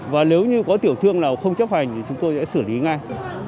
và nếu như có tiểu thương nào không chấp hành thì chúng tôi sẽ xử lý ngay